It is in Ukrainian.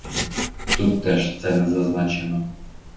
Тут теж це не зазначено.